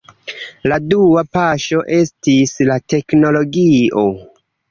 La dua paŝo estis la teknologio.